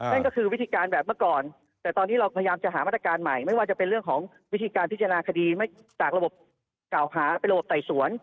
นั่นก็คือวิธีการแบบเมื่อก่อนแต่ตอนนี้เราพยายามจะหามาตรการใหม่ไม่ว่าจะเป็นเรื่องของวิธีการพิจารณาคดีจากระบบกล่าวหาเป็นระบบไต่สวน